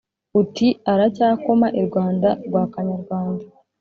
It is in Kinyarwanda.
Uti aracyakoma i Rwanda rwa Kanyarwanda